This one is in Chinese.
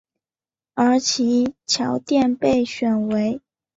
而其桥殿被选为。